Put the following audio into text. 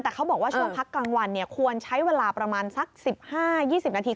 แต่เขาบอกว่าช่วงพักกลางวันควรใช้เวลาประมาณสัก๑๕๒๐นาที